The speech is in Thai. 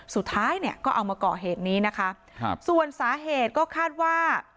สุดท้ายเนี่ยก็เอามาก่อเหตุนี้นะคะครับส่วนสาเหตุก็คาดว่า